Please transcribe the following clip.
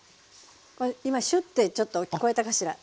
今シュッてちょっと聞こえたかしら？